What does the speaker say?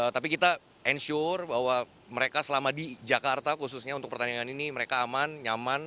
tapi kita ensure bahwa mereka selama di jakarta khususnya untuk pertandingan ini mereka aman nyaman